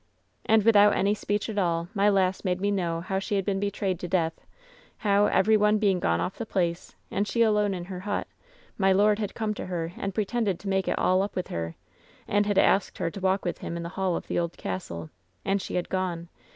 "And without any speech at all, my lass made me know how she had been betrayed to death — how, every one being gone off the place, and she alone in her hut, my lord had come to her and pretended to make it all up with her, and had asked her to walk with him in the hall of the old castle. And she had gone.